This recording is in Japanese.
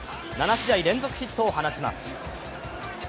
７試合連続ヒットを放ちます。